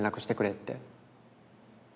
って。